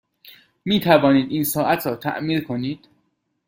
می توانید این ساعت را تعمیر کنید؟